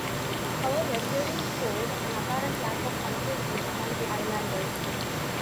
However, hearings showed an apparent lack of consensus among the islanders.